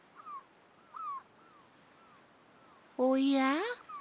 おや。